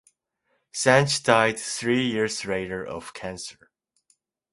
Sanche died three years later of cancer.